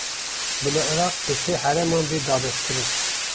Bila Iraq bi sê herêman bê dabeşkirin